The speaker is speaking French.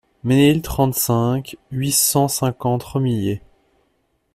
Ménéhil, trente-cinq, huit cent cinquante Romillé